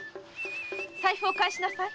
財布を返しなさい。